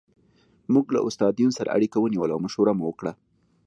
موږ له استاد یون سره اړیکه ونیوله او مشوره مو وکړه